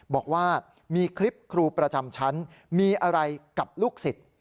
บอกว่ามีคลิปครูประจำชั้นมีอะไรกับลูกศิษย์